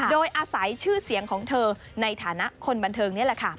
โดยอาศัยชื่อเสียงของเธอในฐานะคนบันเทิงนี่แหละค่ะ